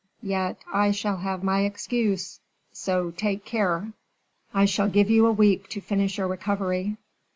"Yet, I shall have my excuse. So take care." "I will give you a week to finish your recovery."